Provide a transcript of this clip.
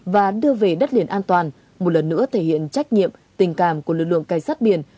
và đưa về đất liền an toàn một lần nữa thể hiện trách nhiệm tình cảm của lực lượng cảnh sát biển